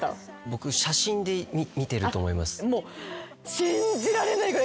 僕写真で見てると思います。